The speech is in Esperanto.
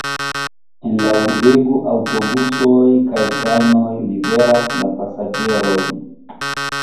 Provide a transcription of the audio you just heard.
En la urbego aŭtobusoj kaj trajnoj liveras la pasaĝerojn.